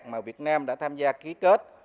mà việt nam đã tham gia ký kết